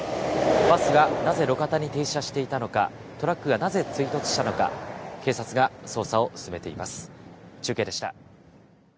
バスがなぜ路肩に停車していたのか、トラックがなぜ追突したのか、警察が捜査を進めています。